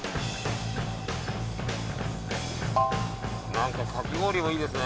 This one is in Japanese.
なんかかき氷もいいですね。